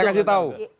saya kasih tahu